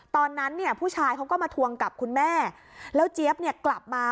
ตอนนั้นเนี่ยผู้ชายเขาก็มาทวงกับคุณแม่แล้วเจี๊ยบเนี่ยกลับมา